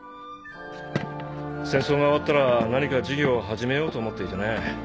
戦争が終わったら何か事業を始めようと思っていてね。